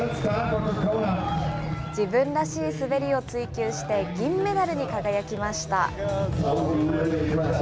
自分らしい滑りを追求して、銀メダルに輝きました。